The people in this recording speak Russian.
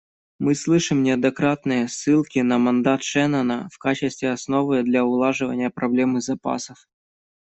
Мы слышим неоднократные ссылки на мандат Шеннона в качестве основы для улаживания проблемы запасов.